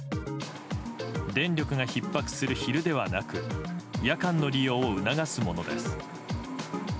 電力がひっ迫する昼ではなく夜間の利用を促すものです。